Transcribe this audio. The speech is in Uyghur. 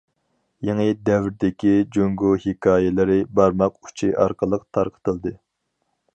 يېڭى دەۋردىكى جۇڭگو ھېكايىلىرى« بارماق ئۇچى» ئارقىلىق تارقىتىلدى.